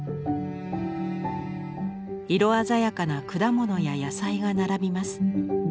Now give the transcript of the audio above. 色鮮やかな果物や野菜が並びます。